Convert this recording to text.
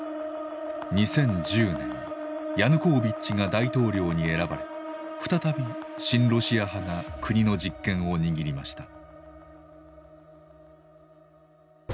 ２０１０年ヤヌコービッチが大統領に選ばれ再び親ロシア派が国の実権を握りました。